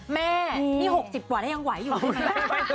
แม่นี่๖๐ตัวแล้วยังไหวอยู่